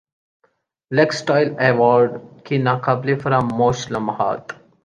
looks style award کے ناقابل فراموش لمحات